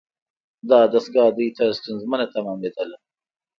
دا دستگاه دوی ته ستونزمنه تمامیدله.